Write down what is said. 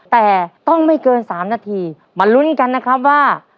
แต่ต้องไม่เกิน๓นาทีมาลุ้นกันนะครับว่า